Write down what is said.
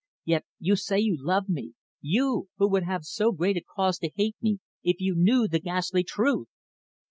Yet you say you love me you! who would have so great a cause to hate me if you knew the ghastly truth!"